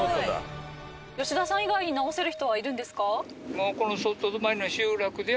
吉田さん以外に直せる人はいるんですか？